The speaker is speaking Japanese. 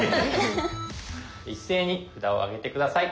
一斉に札を上げて下さい。